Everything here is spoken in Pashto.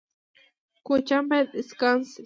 کوچیان باید اسکان شي